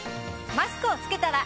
マスクを着けたら。